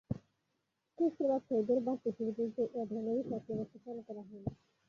খুচরা ব্যবসায়ীদের বাড়তি সুবিধা দিতে এ ধরনের রিচার্জ ব্যবস্থা চালু করা হয়নি।